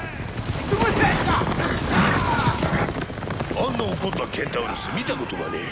あんな怒ったケンタウルス見たことがねえ